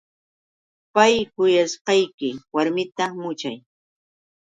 Pay kuyashqayki warmita muchay.